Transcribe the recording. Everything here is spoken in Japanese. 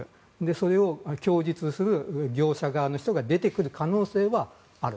それを供述する業者側の人が出てくる可能性はある。